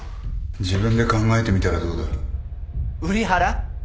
自分で考えてみたらどうだ瓜原？